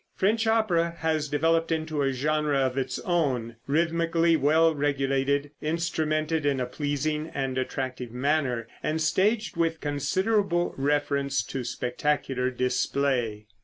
French opera has developed into a genre of its own, rhythmically well regulated, instrumented in a pleasing and attractive manner, and staged with considerable reference to spectacular display.